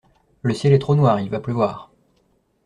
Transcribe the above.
Le ciel est trop noir, il va pleuvoir.